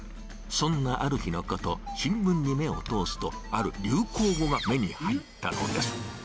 そんなある日のこと、新聞に目を通すと、ある流行語が目に入ったのです。